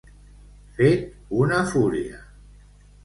Fet una fúria.